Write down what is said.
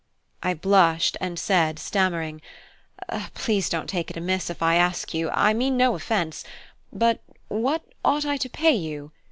I blushed, and said, stammering, "Please don't take it amiss if I ask you; I mean no offence: but what ought I to pay you?